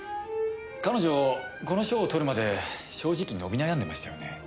彼女この賞を取るまで正直伸び悩んでましたよね。